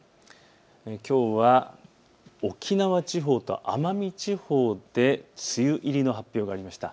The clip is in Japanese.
きょうは沖縄地方と奄美地方で梅雨入りの発表がありました。